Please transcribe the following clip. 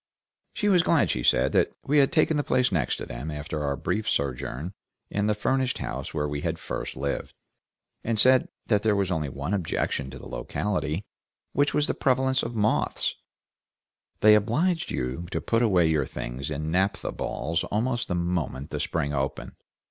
She was glad, she said, that we had taken the place next them, after our brief sojourn in the furnished house where we had first lived, and said that there was only one objection to the locality, which was the prevalence of moths; they obliged you to put away your things in naphtha balls almost the moment the spring opened.